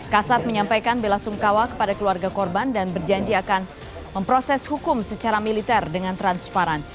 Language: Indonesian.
kasat menyampaikan bela sungkawa kepada keluarga korban dan berjanji akan memproses hukum secara militer dengan transparan